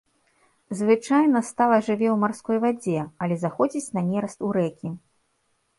Звычайна стала жыве ў марской вадзе, але заходзіць на нераст у рэкі.